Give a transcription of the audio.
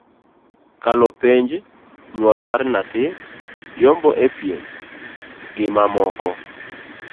kalo penj, nywol mar nyathi, yombo e piem gimamoko